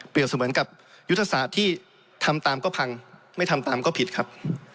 เสมือนกับยุทธศาสตร์ที่ทำตามก็พังไม่ทำตามก็ผิดครับ